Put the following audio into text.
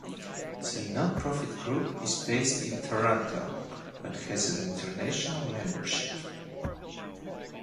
The non-profit group is based in Toronto but has an international membership.